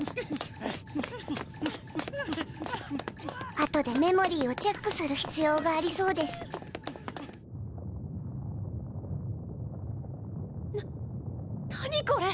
あとでメモリーをチェックする必要がありそうですな何これ！